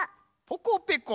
ポコペコ。